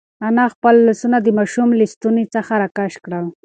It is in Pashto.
انا خپل لاسونه د ماشوم له ستوني څخه راکش کړل.